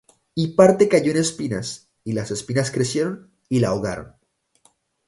Y parte cayó en espinas; y las espinas crecieron, y la ahogaron.